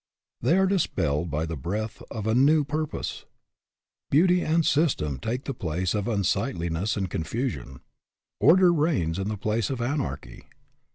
They are dispelled by the breath of a new purpose. Beauty and system take the place of unsightliness and confusion. Order reigns in the place of anarchy.